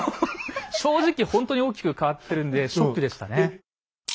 正直ほんとに大きく変わってるんでショックでしたね。